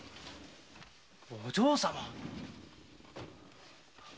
お嬢様！